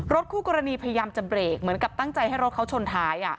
คู่กรณีพยายามจะเบรกเหมือนกับตั้งใจให้รถเขาชนท้าย